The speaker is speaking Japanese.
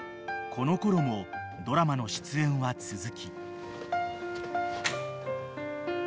［このころもドラマの出演は続き］